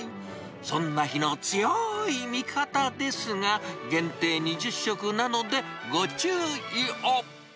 そんな日の強い味方ですが、限定２０食なので、ご注意を。